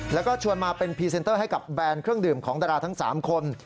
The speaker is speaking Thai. แล้วก็ชวนมาเป็นพรีเซนเตอร์ให้กับแบรนด์เครื่องดื่มของดาราทั้ง๓คน